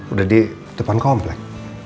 udah di depan komplek